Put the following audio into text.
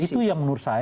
itu yang menurut saya